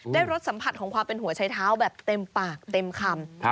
รสสัมผัสของความเป็นหัวใช้เท้าแบบเต็มปากเต็มคำ